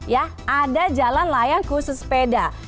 ya ada jalan layang khusus sepeda